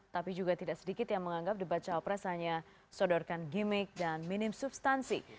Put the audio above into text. tapi juga tidak sedikit yang menganggap debat cawapres hanya sodorkan gimmick dan minim substansi